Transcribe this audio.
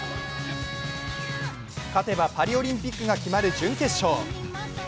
勝てばパリオリンピックが決まる準決勝。